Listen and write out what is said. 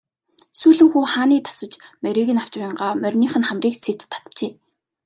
Сүүлэн хүү хааны тосож морийг нь авч уянгаа мориных нь хамрыг сэт татжээ.